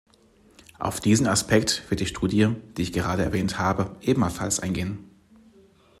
Auf diesen Aspekt wird die Studie, die ich gerade erwähnt habe, ebenfalls eingehen.